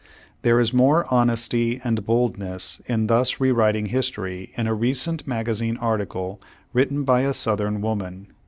There is more honesty and boldness in thus rewriting history in a recent magazine article written by a Southern woman.